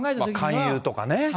勧誘とかね。